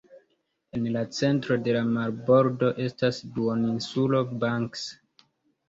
En la centro de la marbordo estas la Duoninsulo Banks.